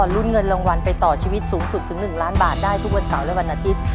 ลุ้นเงินรางวัลไปต่อชีวิตสูงสุดถึง๑ล้านบาทได้ทุกวันเสาร์และวันอาทิตย์